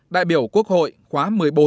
đại biểu quốc hội khóa một mươi bốn một mươi năm